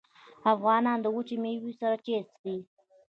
افغانان د وچې میوې سره چای څښي.